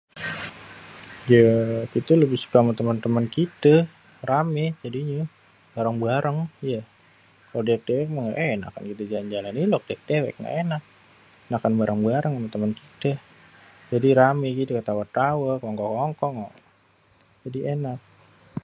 yaa kitê lebih suka ama temen-temen kitê.. rame jadinye.. bareng-bareng iya.. kalo dewek-dewek mah ngga enak kalo kite jalan dewek-dewek ngga enak.. enak bareng-bareng ama temen kitê.. jadi rame gitu tawê-tawê kongkow-kongkow jadi enak..